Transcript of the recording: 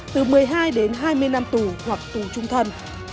từ một mươi hai đến hai mươi năm tù hoặc tù trung thân